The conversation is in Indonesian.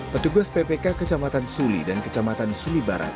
petugas ppk kecamatan suli dan kecamatan suli barat